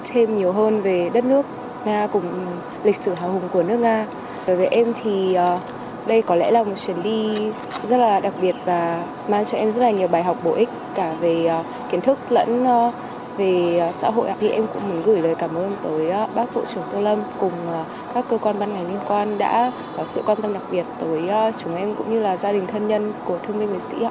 hành trình này giúp các em hiểu rõ hơn về con người đất nước nga vĩ đại